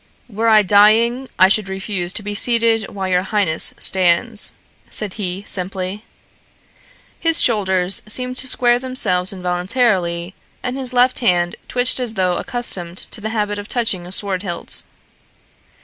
"Were I dying I should refuse to be seated while your highness stands," said he simply. His shoulders seemed to square themselves involuntarily and his left hand twitched as though accustomed to the habit of touching a sword hilt.